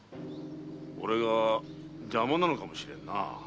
俺が邪魔なのかもしれんなあ。